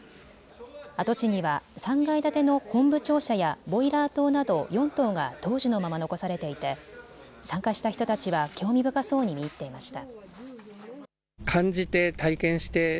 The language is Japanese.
跡地には３階建ての本部庁舎やボイラー棟など４棟が当時のまま残されていて参加した人たちは興味深そうに見入っていました。